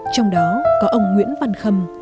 trong đó có ông nguyễn văn khâm